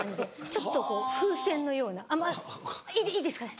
ちょっと風船のようないいですかね？